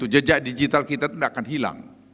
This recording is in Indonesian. jejak digital kita itu tidak akan hilang